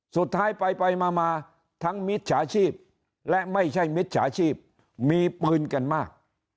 สุดท้ายไปมาทั้งมิจฉาชีพและไม่ใช่มิจฉาชีพมีปืนกันมาก